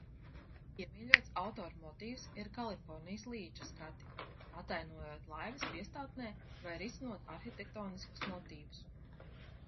Iemīļots autora motīvs ir Kalifornijas līča skati, atainojot laivas piestātnē vai risinot arhitektoniskus motīvus.